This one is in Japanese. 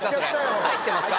それ入ってますか？